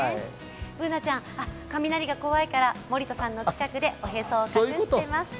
Ｂｏｏｎａちゃん、雷が怖いから森田さんの近くでおへそを隠しています。